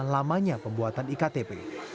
hanya pembuatan iktp